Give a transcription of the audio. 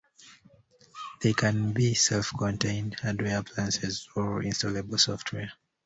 They can be a self-contained hardware appliance or installable software.